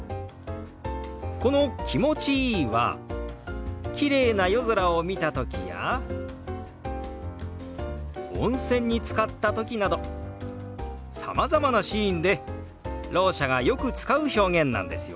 この「気持ちいい」はきれいな夜空を見た時や温泉につかった時などさまざまなシーンでろう者がよく使う表現なんですよ。